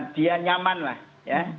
dia nyaman lah ya